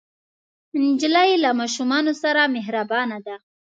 نجلۍ له ماشومانو سره مهربانه ده.